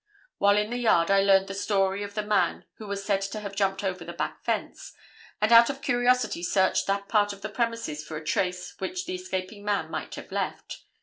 While in the yard I learned the story of the man who was said to have jumped over the back fence, and out of curiosity searched that part of the premises for a trace which the escaping man might have left.